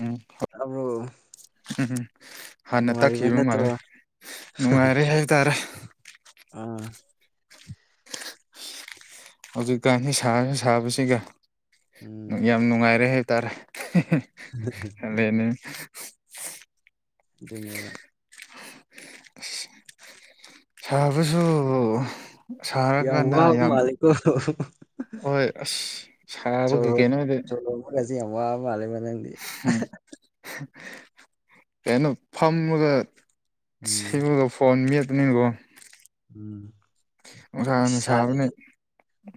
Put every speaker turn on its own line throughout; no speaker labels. ꯎꯝ
ꯇꯥꯕ꯭ꯔꯣ
ꯎꯝ-ꯎꯝ ꯍꯥꯟꯅ
ꯅꯨꯡꯉꯥꯏꯔꯤꯕ
ꯇꯥꯛꯈꯤꯕ
ꯅꯠꯇ꯭ꯔꯣ
ꯃꯥꯜꯂꯦ ꯅꯨꯡꯉꯥꯏꯔꯦ ꯍꯥꯏꯇꯥꯔꯦ
ꯑ
ꯍꯧꯖꯤꯛꯀꯥꯟꯗꯤ ꯁꯥꯌꯦ ꯁꯥꯕꯁꯤꯒ
ꯎꯝ
ꯌꯥꯝ ꯅꯨꯡꯉꯥꯏꯔꯦ ꯍꯥꯏꯇꯥꯔꯦ ꯑꯗꯨꯅꯦ
ꯑꯗꯨꯅꯦꯕ
inaudible ꯁꯥꯕꯁꯨ ꯁꯥꯔꯀꯥꯟꯗ ꯌꯥꯝ
ꯑꯣ
ꯍꯣꯏ ꯑꯁ ꯁꯥꯕꯒꯤꯒꯦ ꯀꯩꯅꯣꯗꯤ
ꯁꯤ ꯌꯥꯝ ꯋꯥꯕ ꯃꯥꯜꯂꯦꯀꯣ ꯅꯥꯡꯗꯤ
ꯎꯝ ꯀꯩꯅꯣ ꯐꯝꯃꯒ
ꯎꯝ
ꯁꯤꯕꯨꯗꯣ ꯐꯣꯟ ꯃꯦꯠꯄꯅꯤꯀꯣ
ꯎꯝ ꯑꯁ
ꯁꯥꯕꯅꯦ
ꯁꯔꯗꯤ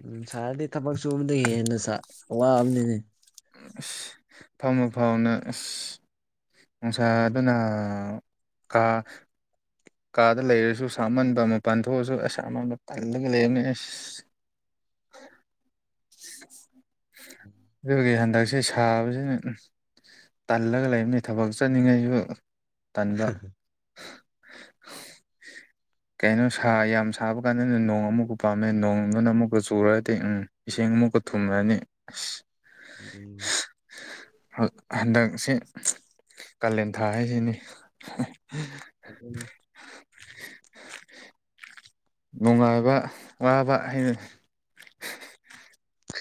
ꯎꯝ ꯁꯥꯔꯗꯤ ꯊꯕꯛ ꯁꯨꯕꯗꯒꯤ ꯍꯦꯟꯅ ꯁꯥ ꯋꯥꯕꯅꯤꯅꯦ
ꯑꯁ ꯐꯝꯃ ꯐꯥꯎꯅ ꯑꯁ ꯅꯨꯡꯁꯥ
ꯎꯝ
ꯑꯗꯨꯅ ꯀ ꯀꯥꯗ ꯂꯩꯔꯁꯨ ꯁꯥꯃꯟꯕ ꯃꯄꯥꯟ ꯊꯣꯛꯑꯁꯨ ꯑꯁ ꯑꯃꯟꯕ ꯀꯜꯂꯒ ꯂꯩꯔꯝꯃꯦ ꯑꯁ [unintelligible] ꯑꯗꯨꯒꯤ ꯍꯟꯗꯛꯁꯦ ꯁꯥꯕꯖꯤꯅ ꯇꯜꯂꯒ ꯂꯩꯕꯅꯤ ꯊꯕꯛ ꯆꯠꯅꯤꯡꯉꯩꯁꯨ ꯇꯟꯕ [unintelligible] ꯀꯩꯅꯣ ꯁꯥ ꯌꯥꯝ ꯁꯥꯕ ꯀꯥꯟꯗꯅꯦ ꯅꯣꯡ ꯑꯃꯨꯛꯀ ꯄꯥꯝꯃꯦ ꯅꯣꯡ ꯗꯨꯅ ꯑꯃꯨꯛꯀ ꯆꯨꯔꯗꯤ ꯎꯝ ꯏꯁꯤꯡ ꯑꯃꯨꯛꯀ ꯊꯨꯝꯂꯅꯤ ꯑꯁ
[unintelligible]
ꯍꯛ ꯍꯟꯗꯛꯁꯦ ꯀꯥꯂꯦꯟ ꯊꯥ ꯍꯥꯏꯖꯤꯅꯤ
ꯑꯗꯨꯅꯦ
ꯅꯨꯡꯉꯥꯏꯕ ꯋꯕ ꯍꯥꯏꯗꯨꯅꯤ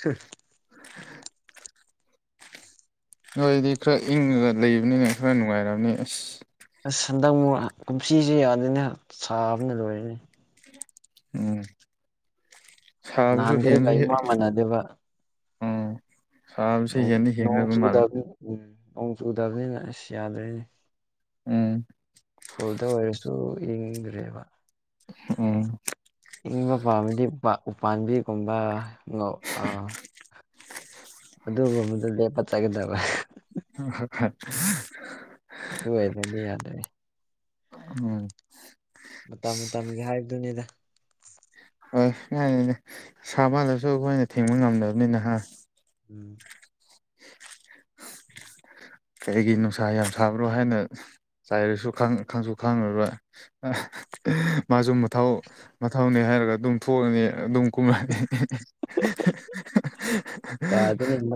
ꯎꯝ
[unintelligible] ꯅꯣꯏꯗꯤ ꯈꯔ ꯏꯪꯉꯒ ꯂꯩꯕꯅꯤꯅ ꯈꯔ ꯅꯨꯡꯉꯥꯏꯔꯝꯅꯤ ꯑꯁ
ꯑꯁ ꯍꯟꯗꯛ ꯃꯨꯛ ꯀꯨꯝꯁꯤꯖꯦ ꯌꯥꯗꯦꯅꯦ ꯁꯥꯕꯅ ꯂꯣꯏꯔꯦꯅꯦ
ꯎꯝ ꯁꯥꯕꯁꯨ
ꯅꯍꯥꯟꯈꯩꯒ
ꯍꯦꯟꯖꯨ ꯍꯦꯟ
ꯏꯃꯥꯟ ꯃꯥꯟꯅꯗꯦꯕ ꯅꯣꯡ ꯅꯣꯡ
ꯍꯦꯟꯅꯕ ꯃꯥꯜꯂꯦ
ꯆꯨꯗꯕꯅꯤ ꯎꯝ ꯅꯣꯡ ꯆꯨꯗꯕꯅꯤꯅ ꯑꯁ ꯌꯥꯗ꯭ꯔꯦꯅꯦ
ꯎꯝ
ꯈꯨꯜꯗ ꯑꯣꯏꯔꯁꯨ ꯏꯪꯗ꯭ꯔꯦꯕ
ꯎꯝ
ꯏꯪꯕ ꯄꯥꯝꯃꯗꯤ ꯎꯄꯥꯜ ꯎꯄꯥꯝꯕꯤ ꯒꯨꯝꯕ ꯑ ꯑꯗꯨ ꯒꯨꯝꯕꯗ ꯂꯦꯞꯄ ꯆꯠꯀꯗꯕ
[unintelligible]
ꯑꯗꯨ ꯑꯣꯏꯔꯒꯗꯤ ꯌꯥꯗ꯭ꯔꯦ
ꯎꯝ
ꯃꯇꯝ ꯃꯇꯝꯒꯤ ꯍꯥꯏꯕꯗꯨꯅꯤꯗ
ꯍꯣꯏ ꯌꯥꯅꯤꯅꯦ ꯁꯥꯃꯜꯂꯁꯨ ꯑꯩꯈꯣꯏꯅ ꯊꯤꯡꯕ ꯉꯝꯗꯕꯅꯤꯅ ꯍꯥ
ꯎꯝ
ꯀꯩꯒꯤ ꯅꯨꯡꯁꯥ ꯌꯥꯝ ꯁꯥꯕ꯭ꯔꯣ ꯍꯥꯏꯅ ꯆꯩꯔꯁꯨ ꯈꯪ ꯈꯪꯪꯖꯨ ꯈꯪꯉꯔꯣꯏ ꯑ ꯃꯥꯁꯨ ꯃꯊꯧ ꯃꯊꯧꯅꯦ ꯍꯥꯏꯔꯒ ꯑꯗꯨꯝ ꯊꯣꯛꯑꯅꯤ ꯑꯗꯨꯝ ꯀꯨꯝꯍꯩ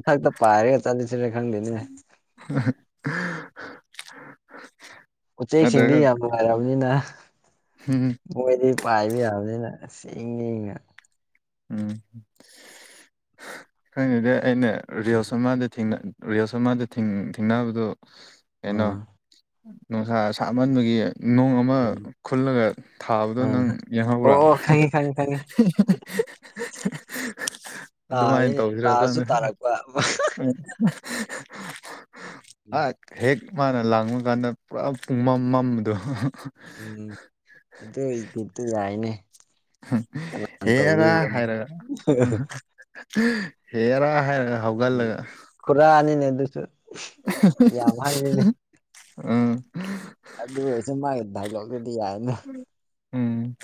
ꯊꯛꯇ ꯄꯥꯏꯔꯒ ꯆꯂꯁꯤꯔ ꯈꯪꯗꯦ
[unintelligible]
ꯎꯆꯦꯛ ꯁꯤꯡꯗꯤ ꯌꯥꯝ ꯅꯨꯡꯉꯥꯏꯔꯕꯅꯤꯅ
ꯍꯨꯝ
ꯃꯣꯏꯗꯤ ꯄꯥꯏꯕ ꯌꯥꯕꯅꯤꯅ ꯑꯁ ꯏꯪꯉꯦꯒ
ꯎꯝ ꯈꯩꯗꯦꯗ ꯑꯩꯅ
ꯎꯝ
ꯔꯤꯜꯁ ꯑꯃꯗ ꯊꯦꯡꯅ ꯔꯤꯜꯁ ꯑꯃꯗ ꯊꯦꯡ ꯊꯦꯡꯅꯕꯗꯨ ꯀꯩꯅꯣ
ꯑꯥ
ꯅꯨꯡꯁꯥ ꯁꯥꯃꯟꯕꯒꯤ ꯅꯨꯡ ꯑꯃ
ꯎꯝ
ꯈꯨꯜꯂꯒ ꯊꯥꯕꯗꯣ
ꯑꯥ
ꯅꯪ
ꯑꯣ
ꯌꯦꯡꯍꯧꯕ꯭ꯔꯥ
ꯑꯣ ꯈꯪꯉꯤ ꯈꯪꯉꯤ ꯈꯪꯉꯤ
ꯑꯗꯨꯃꯥꯏꯅ
ꯇꯥꯔꯦꯅꯦ
ꯇꯧꯁꯤꯔ
ꯇꯥꯁꯨ
ꯈꯪꯗꯦ
ꯇꯥꯔꯛꯄ
ꯎꯝ
ꯎꯝ
[unintelligible] ꯍꯦꯛ ꯃꯥꯅ ꯂꯪꯕ ꯀꯥꯟꯗ ꯄꯨꯔꯥ ꯄꯨꯡꯃꯝ ꯃꯝꯕꯗꯣ
ꯎꯝ ꯑꯗꯨ ꯏꯗꯤꯠꯇꯣ ꯌꯥꯏꯅꯦ
ꯍꯨꯝ
ꯀꯅꯥꯅ
ꯍꯦꯔꯥ
ꯇꯧꯕꯤꯕ꯭ꯔꯅꯦ
ꯍꯥꯏꯔꯒ ꯎꯝ ꯍꯨꯝ ꯍꯦꯔꯥ ꯍꯥꯏꯔꯒ ꯍꯧꯒꯠꯂꯒ
ꯈꯨꯔ ꯅꯤꯅꯦ ꯑꯗꯨꯖꯨ
ꯎꯝ
ꯑꯗꯨ ꯑꯣꯏꯔꯁꯨ ꯃꯥꯒꯤ ꯗꯥꯏꯂꯣꯛꯇꯨꯗꯤ ꯌꯥꯏꯅ
ꯎꯝ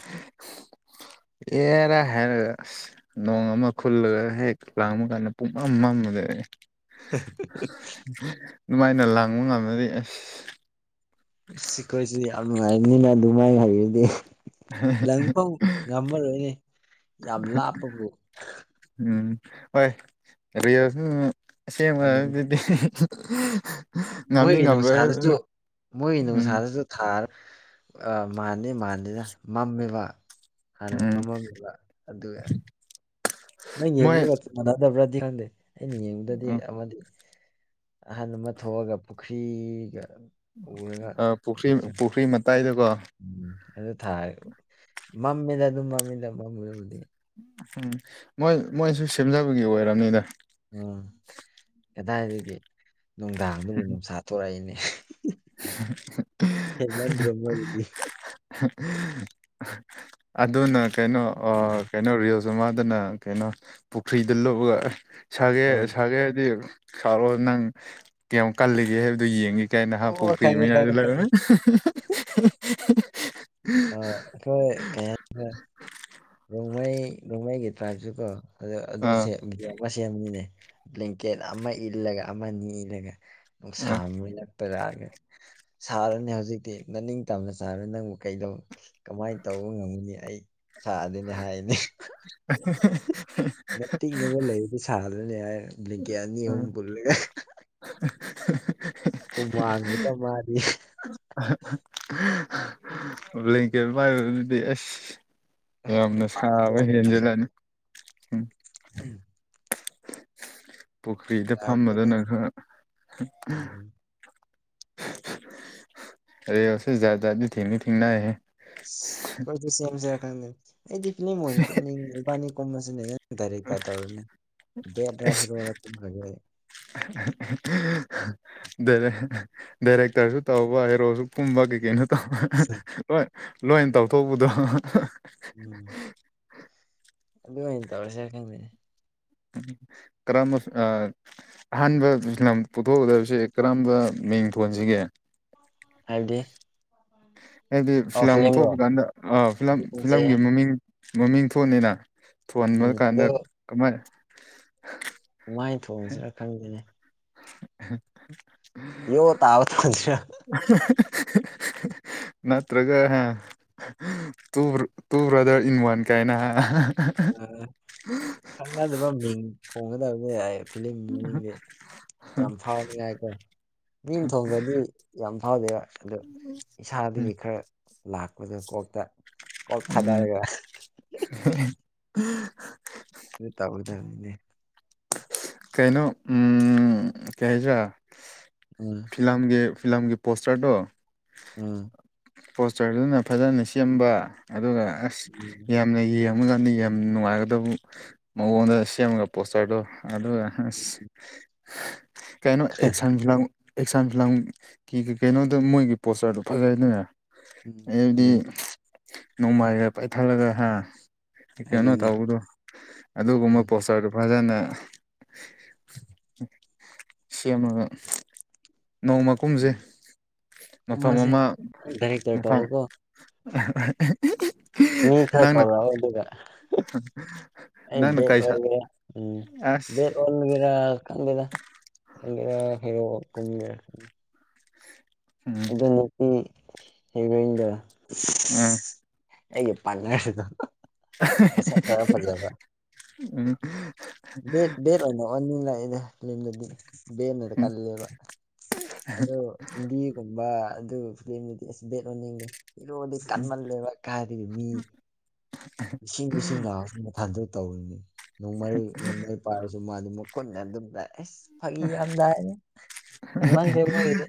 ꯑꯦꯔ ꯍꯥꯏꯔꯒ ꯅꯨꯡ ꯑꯃ ꯈꯨꯜꯂꯒ ꯍꯦꯛ ꯂꯥꯡꯕ ꯀꯥꯟꯗ ꯄꯨꯡꯃꯝ ꯃꯝꯒ꯭ꯔꯦ
[unintelligible]
ꯑꯗꯨꯃꯥꯏꯅ ꯂꯥꯡꯕ ꯉꯝꯅꯔꯤ ꯑꯁ
ꯁꯤꯈꯣꯏꯁꯤꯗꯤ ꯌꯥꯝ ꯅꯨꯡꯉꯥꯏꯕꯅꯤꯅ ꯑꯗꯨꯃꯥꯏꯅ ꯍꯥꯏꯔꯤꯗꯤ ꯂꯪꯐꯧ ꯉꯝꯃꯔꯣꯏꯅꯦ ꯌꯥꯝ ꯂꯥꯞꯄꯕꯨ
ꯎꯝ ꯍꯣꯏ ꯁꯦꯝꯃ
ꯎꯝ
ꯑꯗꯨꯗꯤ [unintelligible]
ꯃꯣꯏꯒꯤ ꯅꯨꯡꯁꯥꯗꯁꯨ ꯃꯣꯏ
ꯎꯝ
ꯅꯨꯡꯁꯥꯗꯁꯨ ꯊꯥꯔ ꯃꯥꯟꯅꯤ ꯃꯥꯟꯅꯤꯅ ꯃꯝꯃꯤꯕ ꯍꯥꯟꯅ
ꯎꯝ
ꯃꯃꯝ ꯑꯗꯨꯒ ꯅꯪ
ꯃꯣꯏ
ꯌꯦꯡꯕ ꯃꯥꯟꯅꯗꯕ꯭ꯔꯗꯤ ꯈꯪꯗꯦ ꯑꯩꯅ ꯌꯦꯡꯕꯗꯗꯤ
ꯎꯝ
ꯑꯃꯗꯤ ꯑꯍꯟ ꯑꯃ ꯊꯣꯛꯑꯒ ꯄꯨꯈ꯭ꯔꯤꯒ ꯎꯔꯒ
ꯑ ꯄꯨꯈ꯭ꯔꯤ
ꯀꯩꯅꯣꯁꯤꯔ
ꯄꯨꯈ꯭ꯔꯤ ꯃꯇꯥꯏꯗꯨꯀꯣ
ꯎꯝ ꯑꯗꯨ ꯊꯥ ꯃꯝꯃꯦꯗ ꯑꯗꯨꯝ ꯃꯝꯃꯤꯗ ꯃꯝꯂꯕꯨꯗꯤ
ꯎꯝ ꯃꯣꯏ ꯃꯣꯏꯁꯨ ꯁꯦꯝꯖꯕꯒꯤ ꯑꯣꯏꯔꯕꯅꯤꯗ
ꯎꯝ ꯀꯗꯥꯏꯗꯒꯤ ꯅꯨꯡꯗꯥꯡꯗꯨꯕꯨ ꯅꯨꯡꯁꯥ ꯊꯣꯛꯔꯛꯏꯅꯦ ꯍꯦꯃꯟ꯭ꯔꯣꯃꯣ ꯑꯣꯏꯗꯤ
ꯑꯗꯨꯅ ꯀꯩꯅꯣ
ꯎꯝ
ꯀꯩꯅꯣ ꯔꯤꯁꯇꯣ ꯃꯥꯗꯅ ꯀꯩꯅꯣ ꯄꯨꯈ꯭ꯔꯤꯗ ꯂꯨꯞꯑꯒ ꯁꯥꯒꯦ
ꯑꯥ
ꯁꯥꯒꯦ ꯍꯥꯏꯗꯤ ꯁꯥꯥꯎꯔꯛꯑꯣ ꯅꯪ ꯀꯌꯥꯝꯨ ꯀꯜꯂꯤꯒꯦ ꯍꯥꯏꯕꯗꯨꯣ ꯌꯦꯡꯉꯤ ꯀꯥꯏꯅꯍ
ꯑꯣ
ꯄꯨꯨꯈꯔꯤꯏ
ꯈꯪꯉꯦ
ꯃꯩꯅꯏꯗ
ꯈꯪꯉꯦ
ꯂꯩꯔ [unintelligible]
ꯈꯪꯉꯦ ꯑ ꯏꯈꯣꯏ ꯀꯩꯅ ꯅꯣꯡꯃꯩ ꯅꯣꯡꯃꯩꯒꯤ ꯇ꯭ꯔꯥꯏꯞꯁꯨ ꯀꯣ
ꯑꯥ
ꯑꯗꯨꯁꯦ ꯣꯛ ꯑꯃ ꯁꯦꯝꯅꯤꯅꯦ ꯕ꯭ꯂꯦꯡꯀꯦꯠ ꯑꯃ ꯏꯜꯂꯒ ꯑꯃꯅꯤ ꯏꯜꯂꯒ
ꯑꯥ
ꯁꯝꯄꯔꯑꯒꯦ ꯁꯥꯔꯅꯤ ꯍꯧꯖꯤꯛꯇꯤ ꯅꯅꯤꯡ ꯇꯝꯅ ꯁꯥꯔꯅꯤ ꯅꯪꯕꯨ ꯀꯩꯗꯧꯕ ꯀꯃꯥꯏꯅ ꯇꯧꯕ ꯉꯝꯒꯅꯤ ꯑꯩ ꯁꯥ ꯑꯗꯨꯅꯤ ꯍꯥꯏꯗꯤ ꯅ ꯇꯤꯕ ꯂꯩꯕꯗꯤ ꯁꯥꯍꯜꯂꯅꯦ ꯍꯥꯏ ꯀ ꯑꯅꯤ
ꯑꯥ
ꯑꯍꯨꯝ ꯄꯨꯜꯂꯒ ꯎ ꯃꯥꯥꯡꯒꯦ ꯇ ꯃꯥꯔꯤ
ꯕ꯭ꯂꯦꯡꯀꯦꯠ ꯄꯥꯏꯕꯗꯨꯗꯤ ꯑꯁ ꯌꯥꯝꯅ
ꯃꯄꯥꯟꯗ
ꯁꯥꯕ
ꯊꯣꯛꯑꯒ ꯂꯩꯔꯅꯤ
ꯍꯦꯟꯖꯤꯜꯂꯅꯤ ꯎꯝ
ꯎꯝ
ꯄꯨꯈ꯭ꯔꯤꯗ ꯐꯝꯃꯗꯅ
ꯌꯥꯗ꯭ꯔꯦꯅꯦ
ꯈꯔ
ꯎꯝ
ꯑꯔꯦ ꯑꯣ ꯎꯆꯦ ꯗꯤ ꯊꯦꯡꯅ ꯊꯦꯡꯅꯅꯥꯏꯦ
ꯣꯏ ꯑꯩ ꯃꯅꯤꯅꯤ ꯀꯨꯝꯕꯁꯤꯅꯦ ꯗꯥꯏꯔꯦꯛꯇ ꯇꯧꯔꯅꯤ ꯕꯦꯠ
ꯑꯩꯁ
ꯍꯤꯔꯣꯈ꯭ꯔꯦ
ꯔ ꯗꯥꯏꯔꯦꯛꯇꯔꯁꯨ ꯇꯧꯕ ꯍꯥꯏꯔꯣꯁꯨ ꯀꯨꯝꯕ ꯀꯩꯀꯩꯅꯣ
ꯑꯁ
ꯂꯣꯏ ꯇꯧꯊꯣꯛꯄꯗꯣ
ꯎꯝ ꯑꯗꯨ ꯃ ꯇꯧꯔꯁꯦꯔꯅꯦ
ꯀ꯭ꯔꯃꯁ ꯑꯍꯥꯟꯕ ꯂꯝ ꯄꯨꯊꯣꯛꯀꯗꯕꯁꯦ ꯀꯔꯝꯝꯕ ꯃꯤꯡ ꯊꯣꯟꯁꯤꯒꯦ
ꯍꯥꯏꯕꯗꯤ
ꯍꯥꯏꯗꯤ
ꯑꯣ
ꯐꯤꯂꯝ
ꯐꯤꯂꯝꯔꯣ
ꯊꯣꯛꯄ ꯀꯥꯟꯗ ꯐꯤꯂꯝ
ꯐꯤꯂꯝꯁꯦ
ꯐꯤꯂꯝꯒꯤ ꯃꯃꯤꯡ ꯃꯃꯤꯡ ꯊꯣꯟꯅꯤꯅ ꯊꯣꯟꯕ
ꯎꯝ
ꯀꯥꯟꯗ
ꯑꯗꯨ
ꯀꯃꯥꯏ
ꯀꯃꯥꯏꯅ ꯊꯣꯡꯁꯤꯔ ꯈꯪꯗꯦꯅꯦ ꯌ ꯇ ꯑꯕ ꯊ ꯃꯁꯤ
ꯅꯠꯇ꯭ꯔꯒ ꯇꯨ ꯕ꯭ꯔꯗꯔ ꯏꯟ ꯋꯥꯟ ꯀꯥꯏꯅ
ꯎ ꯈꯪꯅꯗꯕ ꯃꯤꯡ ꯊꯣꯡꯒꯗꯕꯅꯦ ꯌꯥꯏ ꯐꯤꯂꯝ ꯃꯃꯤꯡꯗꯤ ꯌꯥꯝ ꯐꯥꯎꯅꯤꯉꯥꯏꯀꯣ ꯃꯤꯡ ꯊꯣꯡꯈ꯭ꯔꯗꯤ ꯌꯥꯝ ꯐꯥꯎꯗꯦꯕ ꯑꯗꯨ
ꯎꯝ
ꯏꯁꯥꯗꯒꯤ ꯈꯔ ꯂꯥꯛꯄꯗꯣ ꯀꯣꯛꯇ ꯀ
ꯎꯝ
ꯊꯥꯗꯔꯦꯒ ꯑꯗꯨ ꯇꯥꯕꯗꯅꯤꯅꯦ
ꯀꯩꯅꯣ ꯎꯝ ꯀ ꯍꯥꯏꯁ꯭ꯔ
ꯎꯝ
ꯐꯤꯂꯝꯒꯤ ꯐꯤꯂꯝꯒꯤ ꯄꯣꯁꯇꯔꯗꯣ
ꯑ
ꯄꯣꯁꯇꯔꯗꯨꯅ ꯐꯖꯅ ꯁꯦꯝꯕ ꯑꯗꯨꯒ ꯑꯁ ꯌꯥꯝꯅ ꯌꯦꯡ ꯊꯀꯥꯟꯗ ꯌꯥꯝ ꯅꯨꯡꯉꯥꯏꯒꯗꯕ ꯃꯉꯣꯟꯗ ꯁꯦꯝꯃꯒ ꯄꯣꯁꯇꯔꯗꯣ ꯑꯗꯨꯗ ꯀꯩꯅꯣ ꯑꯦꯛꯁꯥꯡ ꯐꯥꯡ ꯑꯦꯛꯁꯥꯡ ꯐꯤꯂꯥꯡꯒꯤ ꯀꯩꯅꯣꯗ ꯃꯣꯏꯒꯤ ꯄꯣꯁꯆꯔꯗꯨꯣ ꯐꯖꯩꯗꯅꯦ
ꯎꯝ
ꯑꯗꯨꯗꯤ
ꯑꯗꯨ
ꯅꯣꯡꯃꯥꯏꯒ ꯄꯥꯏꯊꯠꯂꯒ ꯍꯥ ꯀꯩꯅꯣ
ꯑꯗꯨꯅꯤ
ꯇꯧꯕꯗꯣ ꯑꯗꯨꯒꯨꯝꯕ
ꯎꯝ
ꯄꯣꯇꯔꯗꯨ ꯐꯖꯅ ꯁꯦꯝꯒ ꯅꯣꯡꯃꯀꯨꯝꯁꯦ
ꯎꯝ
ꯃꯐꯝ
ꯀꯨꯝꯕꯁꯦ
ꯑꯃ
ꯗꯥꯏꯔꯦꯛꯇꯔ
ꯃꯐꯝ
ꯇꯧꯔꯣꯀꯣ ꯃꯤ ꯈ
ꯅꯪꯅ
ꯀꯧꯔ ꯑꯗꯨꯒ
ꯅꯪꯅ
ꯑꯩ ꯦꯠ
ꯀꯩꯁꯥ
ꯑꯣꯏꯒꯦꯔ ꯎꯝ
ꯑꯁ
ꯦꯠ ꯋꯥꯜꯒꯦꯔ ꯦꯗꯦꯗ ꯐꯔꯒꯦ
ꯎꯝ
ꯑꯗꯨꯗꯣ ꯅꯨꯄꯤ ꯍꯒꯗ
ꯑ
ꯑꯩꯒꯤ ꯄꯜ
ꯑ
ꯐꯔ ꯐꯖꯕꯦꯠ ꯕꯦꯠ ꯋꯥꯅꯤꯡ ꯂꯥꯛꯏꯗ ꯕꯅꯔ
ꯎꯝ
ꯀꯜꯂ ꯂꯩꯕ ꯑꯗꯨ ꯍꯤꯟꯗꯤꯒꯨꯝꯕ ꯑꯗꯨ ꯐꯤꯗꯨꯗꯤ ꯑꯁ ꯕꯦꯠ ꯑꯣꯏꯅꯤꯡꯂ ꯍꯤꯔꯣꯗꯤ
ꯎꯝ
ꯀꯟꯃꯜꯂꯦꯕ ꯀꯥꯥꯏꯔꯤꯕ ꯃꯤ ꯏꯁꯤꯡ ꯏꯁꯤꯡ ꯂꯥꯛꯑꯁꯨ ꯃꯊꯟꯗ ꯇꯧꯔꯤꯅꯤ ꯅꯣꯡꯃꯩ ꯅꯣꯡꯃꯩ ꯄꯥꯔꯁꯨ ꯃꯥ ꯑꯗꯨꯝ ꯈꯨꯨꯅ ꯑꯗꯨꯝ ꯂꯥꯛꯑꯦ ꯑꯁ ꯐꯥꯒꯤ ꯌꯥꯝꯗꯥꯏꯑ ꯍ ꯃꯥꯡꯈ꯭ꯔꯦ ꯃꯣꯏꯒꯤꯗꯤ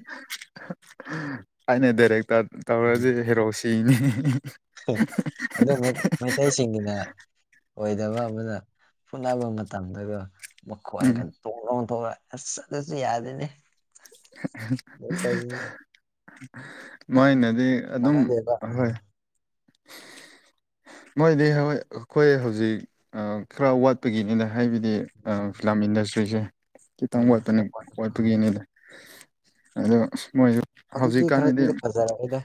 ꯑꯩꯅ ꯗꯥꯏꯔꯦꯛꯇꯔ
ꯎꯝ
ꯇꯧꯔꯗꯤ ꯍꯦꯔꯣꯁꯤꯅꯤ
ꯑꯗꯨ ꯃꯩꯇꯩꯁꯤꯡꯒꯤꯅ ꯑꯣꯏꯗꯕ ꯑꯃꯅ ꯐꯨꯠꯅꯕ ꯃꯇꯝꯗꯒ ꯃꯈꯣꯏ
ꯎꯝ
ꯏꯪꯒꯟ ꯇꯣꯡ ꯇꯣꯡꯊꯂ ꯑꯁ ꯆꯠꯁꯨ ꯌꯥꯗꯅꯦ
[inaudible] ꯃꯥꯏꯅꯗꯤ ꯑꯗꯨꯝ
ꯃꯥꯟꯅꯗꯦꯕ
ꯑꯣꯏ
ꯑꯥ
ꯃꯣꯏꯗꯤ ꯍ ꯑꯩꯈꯣꯏ ꯍꯧꯖꯤꯛ ꯈꯔ ꯋꯥꯠꯄꯒꯤꯅꯤꯅ ꯍꯥꯏꯕꯗꯤ ꯐꯤꯂꯝ ꯏꯟꯗꯁꯇ꯭ꯔꯤꯁꯦ ꯈꯤꯇꯪ
ꯑꯥ
ꯋꯥꯠꯄ
ꯈꯔ ꯋꯥꯠꯂꯦ ꯑꯥ
ꯋꯥꯠꯄꯒꯤꯅꯤꯗ ꯑꯗꯣ ꯃꯣꯏꯁꯨ
ꯍꯧꯖꯤꯛꯇꯤ
ꯍꯧꯖꯤꯛꯀꯥꯟꯗꯗꯤ
ꯈꯔꯗꯤ ꯐꯖꯔꯦꯗ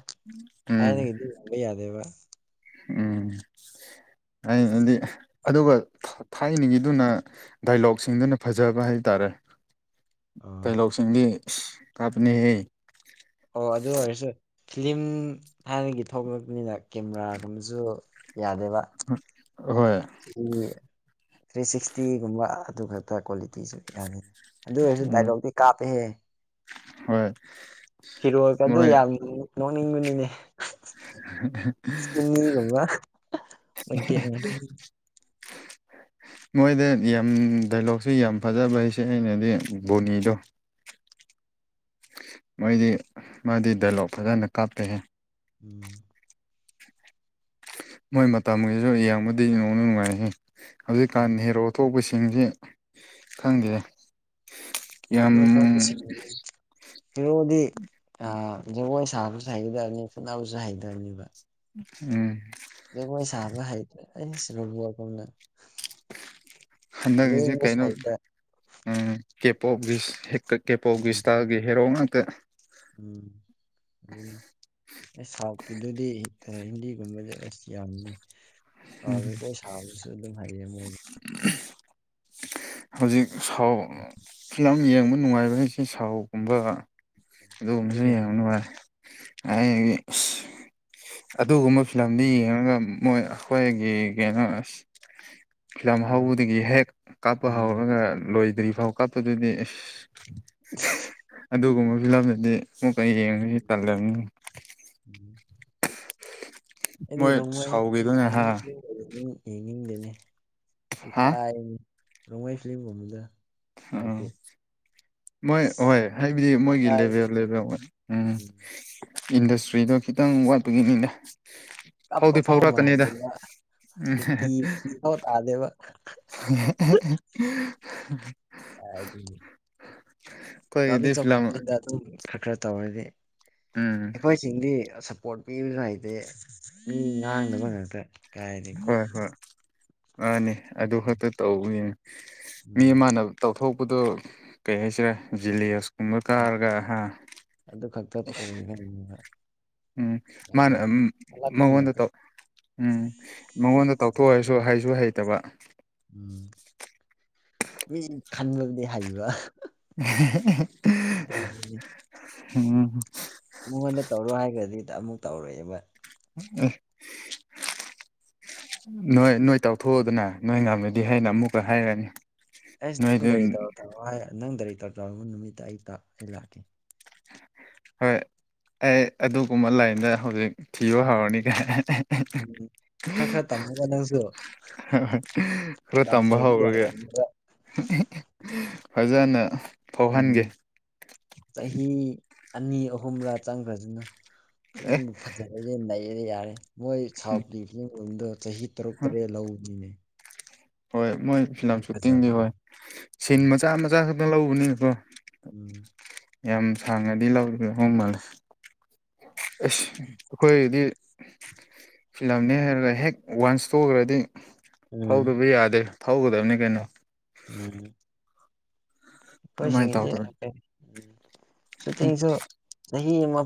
ꯎꯝ
ꯊꯥꯏꯅꯒꯤꯗꯤꯕ ꯌꯥꯗꯦꯕ
ꯎꯝ ꯑꯗꯤ ꯑꯗꯨꯒ ꯊꯥꯏꯅꯤꯡꯒꯤꯗꯨꯅ ꯗꯥꯏꯂꯣꯛꯁꯤꯡꯗꯨꯅ ꯐꯖꯕ ꯍꯥꯏꯇꯥꯔꯦ
ꯑꯥ
ꯇꯥꯏꯂꯧꯁꯤꯡꯗꯤ ꯀꯥꯞꯄꯅꯤꯍꯦ
ꯑꯣ ꯑ ꯑꯗꯨ ꯑꯣꯏꯁꯦ ꯐꯤꯤꯂꯝ ꯊꯥꯏꯅꯒꯤ ꯊꯣꯛꯂꯛꯄꯅꯤꯅ ꯀꯦꯃꯦꯔꯥꯒꯨꯝꯕꯁꯨ ꯌꯥꯗꯦꯕ
ꯍꯣꯏ
ꯊ꯭ꯔꯤ ꯊ꯭ꯔꯤ ꯁꯤꯛꯁꯇꯤꯒꯨꯝꯕ ꯑꯗꯨ ꯈꯛꯇ ꯀ꯭ꯋꯥꯂꯤꯇꯤꯁꯨ ꯌꯥꯗꯅꯤ ꯑꯗꯨ ꯑꯣꯏꯔꯁꯨ
ꯎꯝ
ꯗꯥꯏꯂꯣꯛꯇꯤ ꯀꯥꯞꯄꯦꯍꯦ
ꯍꯣꯏ
ꯍꯤꯔꯣꯀꯗꯤ ꯑꯗꯨ
ꯃꯣꯏ
ꯌꯥꯝ ꯅꯣꯛꯅꯤꯡꯕꯅꯤꯅꯦ ꯆꯃꯤ ꯑꯣ
ꯃꯣꯏꯗꯤ ꯌꯥꯝ ꯗꯥꯏꯂꯣꯛꯁꯨ ꯌꯥꯝ ꯐꯖꯕ ꯍꯥꯏꯁꯦ ꯑꯩꯅꯗꯤ ꯕꯣꯅꯤꯗꯣ ꯃꯣꯏꯗꯤ ꯃꯥꯗꯤ ꯗꯥꯏꯂꯣꯛ ꯐꯖꯅ ꯀꯥꯞꯄꯦꯍꯦ
ꯎꯝ
ꯃꯣꯏ ꯃꯇꯝꯒꯤꯁꯨ ꯌꯦꯡꯕꯗꯤ ꯅꯣꯡꯅ ꯅꯨꯡꯉꯥꯏ
ꯎꯝ
ꯍꯧꯖꯤꯛꯀꯥꯟꯅꯤ ꯍꯦꯔꯣ ꯑꯇꯣꯞꯄꯁꯤꯡꯁꯤ ꯈꯪꯗꯦ ꯌꯥꯝ
ꯍꯤꯔꯣ ꯊꯣꯛꯄꯁꯤꯡꯗꯤ ꯍꯤꯔꯣꯗꯤ ꯖꯒꯣꯏ ꯁꯥꯕꯁꯨ ꯍꯩꯒꯗꯕꯅꯤ ꯐꯨꯅꯕꯁꯨ ꯍꯩꯒꯗꯕꯅꯦꯕ
ꯎꯝ
ꯖꯒꯣꯏ ꯁꯥꯕ ꯍꯩꯕ ꯑꯩꯁ ꯔꯣꯕꯣꯠꯒꯨꯝꯅ
ꯍꯟꯗꯛꯀꯤꯁꯤ
ꯂꯦꯡꯕꯁꯨ
ꯀꯩꯅꯣ
ꯍꯩꯇ
ꯎꯝ ꯀꯦꯞ ꯑꯣꯐ ꯀꯦꯞ ꯑꯣꯐ
ꯎꯝ
ꯏꯁꯇꯥꯏꯟꯒꯤ ꯍꯦꯔꯣ ꯉꯥꯛꯇ
ꯎꯝ ꯑꯗꯨꯅꯦ ꯑꯦ ꯁꯥꯎꯠꯀꯤꯗꯨꯗꯤ ꯍꯤꯟꯗꯤꯒꯨꯝꯕꯗꯤ ꯑꯁ ꯌꯥꯕꯅꯦ ꯑꯗꯨ ꯖꯒꯣꯏ ꯁꯥꯕꯁꯨ ꯑꯗꯨꯝ ꯍꯩꯌꯦ ꯃꯣꯏꯗꯤ
ꯎꯝ ꯍꯧꯖꯤꯛ ꯐꯥꯎ ꯐꯤꯂꯝ ꯌꯦꯡꯕ ꯅꯨꯡꯉꯥꯏꯕ ꯍꯥꯏꯁꯦ ꯁꯥꯎꯠꯒꯨꯝꯕ ꯑꯗꯨꯒꯨꯝꯕ
ꯑꯗꯨꯅ ꯀꯩꯔꯣ
ꯌꯦꯡꯕ ꯅꯨꯡꯉꯥꯏ ꯑꯩ ꯑꯗꯨꯒꯨꯝꯕ ꯐꯤꯂꯝꯗꯨ
ꯎꯝ
ꯌꯦꯡꯉꯒ ꯃꯣꯏ ꯑꯩꯈꯣꯏꯒꯤ ꯀꯩꯅꯣ ꯑꯥꯁ ꯐꯤꯂꯝ
ꯀꯩꯔꯥ
ꯍꯧꯕꯗꯒꯤ ꯍꯦꯛ ꯀꯥꯞꯄ
ꯎꯝ
ꯍꯧꯔꯒ ꯂꯣꯏꯗ꯭ꯔꯤ ꯐꯥꯎ ꯀꯥꯞꯄꯗꯨꯗꯤ ꯑꯁ ꯑꯗꯨꯒꯨꯝꯕ ꯐꯤꯂꯝꯗꯨꯗꯤ ꯑꯃꯨꯛꯀ ꯌꯦꯡꯒꯗꯤ
ꯎꯝ
ꯇꯜꯂꯅꯤ
[inaudible] ꯑꯩꯗꯤ
ꯃꯣꯏ
ꯔꯣꯡꯃꯩ
ꯁꯥꯎꯈꯤꯗꯨꯅ ꯍꯥ
ꯔꯣꯡꯃꯩ ꯌꯦꯡꯅꯤꯡ ꯌꯦꯡꯅꯤꯡꯗꯦꯅꯦ
ꯍꯥ
ꯏꯀꯥꯏꯅꯤ ꯔꯣꯡꯃꯩ ꯐꯤꯂꯝꯒꯨꯝꯕꯗꯣ ꯇꯥꯏꯞꯀꯤ
[unintelligible] ꯃꯣꯏ ꯍꯣꯏ
ꯑꯁ
ꯍꯥꯏꯕꯗꯤ ꯃꯣꯏꯒꯤ
ꯏꯀꯥꯏꯅꯦ
ꯂꯦꯕꯦꯜ ꯂꯦꯕꯦꯜ ꯎꯝ ꯏꯟꯗꯁꯇ꯭ꯔꯤꯗꯣ ꯈꯤꯇꯪ ꯋꯥꯠꯄꯒꯤꯅꯤꯅꯦ
ꯀꯞꯄ ꯐꯥꯎ ꯃꯥꯜꯗꯦꯕ ꯅꯨꯄꯤ
ꯎꯝ
ꯌꯣ ꯇꯥꯗꯦꯕ
[unintelligible]
ꯆꯗꯤ
ꯐꯤꯂꯝ
[unintelligible] ꯑꯗꯨꯝ ꯈꯔ ꯈꯔ ꯇꯧꯔꯗꯤ
ꯎꯝ
ꯑꯩꯈꯣꯏꯁꯤꯡꯗꯤ ꯄꯣꯔꯠ ꯄꯤꯕꯁꯨ ꯍꯩꯇꯦ ꯃꯤ ꯉꯥꯡꯅꯕ ꯉꯥꯛꯇ ꯀꯥꯏꯗꯒꯤ
ꯍꯣꯏ ꯍꯣꯏ ꯃꯥꯅꯤ ꯑꯗꯨ ꯈꯛꯇ ꯇꯧ
ꯎꯝ
ꯃꯤ ꯑꯃꯅ ꯇꯧꯊꯣꯛꯄꯗꯨ ꯀꯩ ꯍꯥꯏꯁꯤꯔꯦ ꯖꯦꯂꯤꯌꯁ ꯀꯨꯝꯕ
ꯎꯝ
ꯀꯥꯔꯒ ꯍꯥ ꯏꯁ
ꯑꯗꯨꯅꯦꯕ
ꯎꯝ ꯃꯥꯅ ꯎꯝ
ꯀꯜꯂꯛꯄ
ꯃꯉꯣꯟꯗ
ꯉꯥꯛꯇ
ꯇꯧ ꯎꯝ ꯃꯉꯣꯟꯗ ꯇꯧꯊꯣꯛꯍꯥꯏꯁꯨ ꯍꯩꯁꯨ ꯍꯩꯇꯕ
ꯎꯝ ꯃꯤ ꯈꯟꯕꯕꯨꯗꯤ ꯍꯩꯕ
[unintelligible]
ꯑꯗꯨꯅꯤꯅꯦ
ꯎꯝ
ꯃꯉꯣꯟꯗ ꯇꯧꯔꯣ ꯍꯥꯏꯔꯒꯗꯤ ꯑꯃꯨꯛ ꯇꯧꯔꯣꯏꯕ
ꯑꯦ ꯅꯣꯏ ꯅꯣꯏ ꯇꯥꯎꯊꯣꯛꯎꯗꯅ ꯅꯣꯏ ꯉꯝꯃꯤ ꯗꯤ ꯍꯥꯏꯅ ꯑꯃꯨꯛꯀ ꯍꯥꯏꯔꯅꯤ
ꯑꯩꯁ
ꯅꯣꯏꯗꯨ
ꯅꯪ ꯅꯪ ꯗꯥꯏꯔꯦꯛꯇꯔ [unintelligible] ꯅꯨꯃꯤꯠꯇ ꯑꯩ ꯇꯥ ꯑꯩ ꯂꯥꯛꯀꯦ
ꯍꯣꯏ ꯑꯩ ꯑꯗꯨꯒꯨꯝꯕ ꯂꯥꯏꯟꯗ ꯍꯧꯖꯤꯛ ꯊꯤꯕ ꯍꯧꯔꯅꯤ
ꯎꯝ ꯈꯔ ꯈꯔ ꯇꯝꯃꯣ ꯅꯪꯁꯨ
ꯈꯔ ꯇꯝꯕ
ꯇꯝꯗ꯭ꯔꯗꯤ
ꯍꯧꯔꯒꯦ
ꯌꯥꯗꯕꯅꯤꯕ
ꯐꯖꯅ
ꯎꯝ
ꯐꯥꯎꯍꯟꯒꯦ
ꯆꯍꯤ ꯑꯅꯤ ꯑꯍꯨꯝꯔꯥ ꯆꯪꯈ꯭ꯔꯁꯤꯅ
ꯑꯦ
ꯐꯤꯂꯝ ꯐꯖꯔꯗꯤ ꯅꯩꯔꯦ ꯌꯥꯔꯦ ꯃꯣꯏ ꯁꯥꯎꯠꯀꯤ ꯐꯤꯂꯝꯒꯨꯝꯗꯣ ꯆꯍꯤ ꯇꯔꯨꯛ ꯇꯔꯦꯠ ꯂꯧꯕꯅꯤꯅꯦ
ꯍꯣꯏ ꯃꯣꯏ ꯐꯤꯂꯝ
ꯑꯗꯨꯒꯤ
ꯁꯨꯇꯤꯡꯗꯤ
ꯐꯖꯕꯅꯦ
ꯍꯣꯏ ꯁꯤꯟ
ꯎꯝ
ꯃꯆꯥ ꯃꯆꯥ ꯈꯛꯇꯪ ꯂꯧꯕꯅꯤꯅꯀꯣ
ꯎꯝ
ꯌꯥꯝ ꯁꯥꯡꯉꯗꯤ ꯂꯧꯔꯗꯣꯏ ꯍꯣꯡ ꯃꯥꯜꯂꯦ ꯑꯁ ꯈꯣꯏꯒꯤꯗꯤ ꯐꯤꯂꯝꯅꯦ ꯍꯥꯏꯔꯒ ꯍꯦꯛ ꯋꯥꯟꯁ ꯊꯣꯛꯈ꯭ꯔꯗꯤ
ꯎꯝ
ꯊꯧꯗꯕ ꯌꯥꯗꯦ ꯊꯧꯒꯗꯕꯅꯤ ꯀꯩꯅꯣ
ꯎꯝ
ꯑꯗꯨꯃꯥꯏꯅ
ꯑꯩꯈꯣꯏꯁꯤꯡꯒꯤꯗꯤ
ꯇꯧꯗ꯭ꯔꯗꯤ
ꯍꯥꯏꯐꯦꯠ ꯁꯨꯇꯤꯡꯁꯨ ꯆꯍꯤ ꯑꯃ